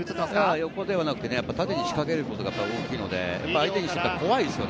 横ではなくて縦に仕掛けることが大きいので、相手にしたら怖いですよね。